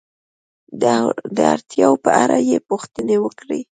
د اړتیاو په اړه یې پوښتنې وکړئ.